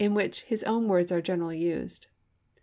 which his own words are generally used.